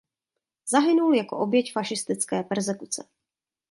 Zahynul jako oběť fašistické perzekuce.